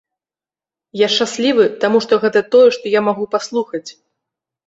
Я шчаслівы, таму што гэта тое, што я магу паслухаць.